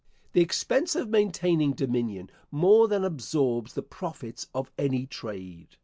The expense of maintaining dominion more than absorbs the profits of any trade.